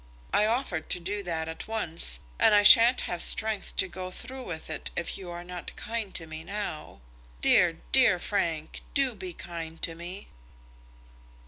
I offered to do that at once, and I sha'n't have strength to go through it if you are not kind to me now. Dear, dear Frank, do be kind to me."